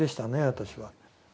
私は。